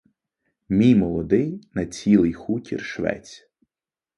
Мій молодий на цілий хутір швець.